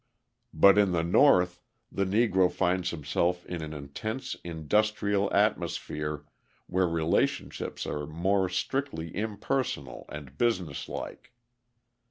But in the North the Negro finds himself in an intense industrial atmosphere where relationships are more strictly impersonal and businesslike.